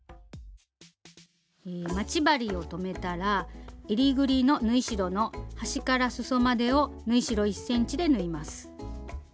待ち針を留めたらえりぐりの縫い代の端からすそまでを縫い代１ｃｍで縫います。